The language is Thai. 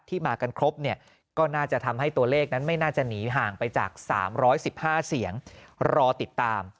มากันครบเนี่ยก็น่าจะทำให้ตัวเลขนั้นไม่น่าจะหนีห่างไปจาก๓๑๕เสียงรอติดตาม